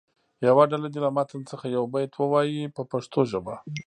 یوه ډله دې له متن څخه یو بیت ووایي په پښتو ژبه.